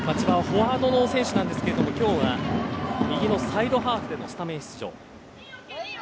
フォワードの選手なんですけども今日は右のサイドハーフでのスタメン出場。